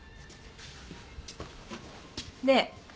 ねえ？